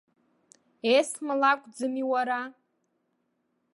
Есма лакәӡами уара?